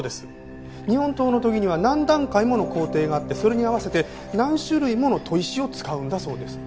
日本刀の研ぎには何段階もの工程があってそれに合わせて何種類もの砥石を使うんだそうです。